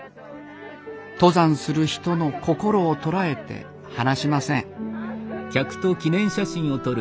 登山する人の心を捉えて離しません。